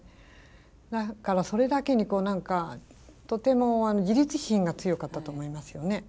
だからそれだけに何かとても自立心が強かったと思いますよね。